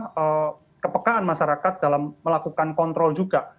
karena kepekaan masyarakat dalam melakukan kontrol juga